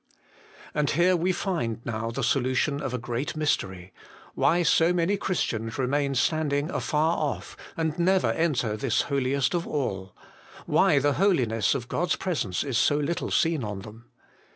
And here we find now the solution of a great mystery why so many Christians remain stand ing afar off, and never enter this Holiest of all; why the holiness of God's Presence is so little seen on them.